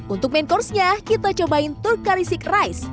untuk main course nya kita cobain turk karisik rice